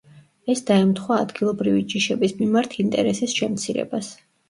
ეს დაემთხვა ადგილობრივი ჯიშების მიმართ ინტერესის შემცირებას.